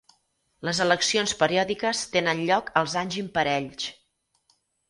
Les eleccions periòdiques tenen lloc els anys imparells.